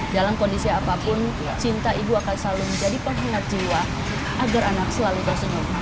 dalam kondisi apapun cinta ibu akan selalu menjadi penghangat jiwa agar anak selalu tersenyum